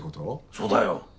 そうだよ。